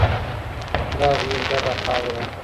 دا زموږ ګډه خاوره ده.